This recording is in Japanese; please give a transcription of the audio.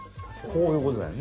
こういうことだよね。